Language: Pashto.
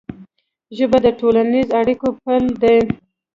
ژبه د ټولنیزو اړیکو پل دی.